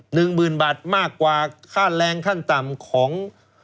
หนึ่งหมื่นบาทมากกว่าค่าแรงขั้นต่ำของ